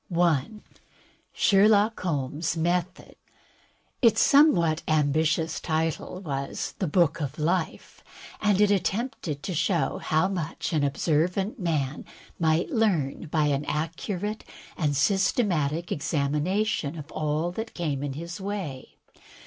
J. Sherlock Holmes^ Method Its somewhat ambitious title was "The Book of Life," and it attempted to show how much an observant man might learn by an accurate and systematic examination of all that came in his way.